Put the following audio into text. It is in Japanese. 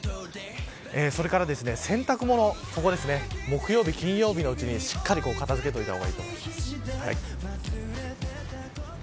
それから洗濯物木曜日、金曜日のうちにしっかり片付けた方がいいです。